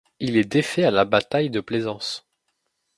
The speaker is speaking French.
Il est défait à la bataille de Plaisance.